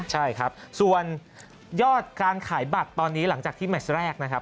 ใช่ครับส่วนยอดการขายบัตรตอนนี้หลังจากที่แมชแรกนะครับ